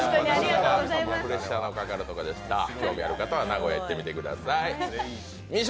興味ある方は名古屋行ってみてください